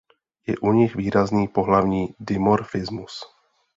Je u nich výrazný pohlavní dimorfismus.